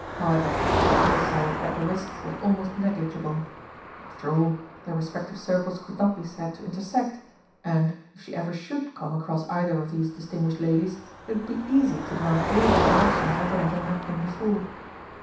However, she decided that the risk was almost negligible. After all, their respective circles could not be said to intersect and, if she ever should come across either of these distinguished ladies, it would be easy to deny all recollection of ever having met them before.